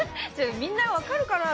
みんな分かるかな？